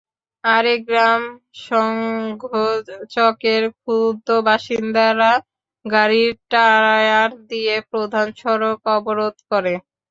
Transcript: আরেক গ্রাম সংঘচকের ক্ষুব্ধ বাসিন্দারা গাড়ির টায়ার দিয়ে প্রধান সড়ক অবরোধ করে।